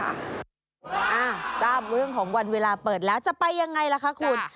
อ่าทราบเรื่องของวันเวลาเปิดแล้วจะไปยังไงล่ะคะคุณ